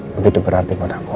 begitu berarti buat aku